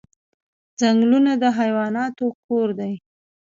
ځنګلونه د حیواناتو کور دی